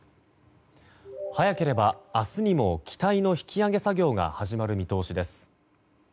早ければ明日にも機体の引き揚げ作業が始まる見通しです。